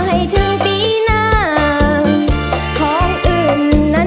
แม่หรือพี่จ๋าบอกว่าจะมาขอมัน